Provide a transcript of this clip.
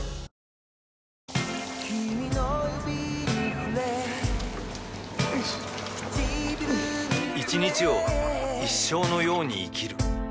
あふっ一日を一生のように生きる